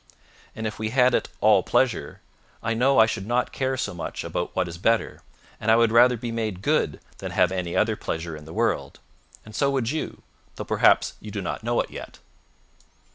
And if we had it all pleasure, I know I should not care so much about what is better, and I would rather be made good than have any other pleasure in the world; and so would you, though perhaps you do not know it yet.